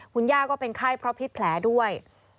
คุณย่าก็เป็นไข้เพราะพิษแผลด้วย